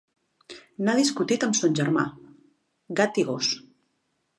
N'ha discutit amb son germà, gat i gos.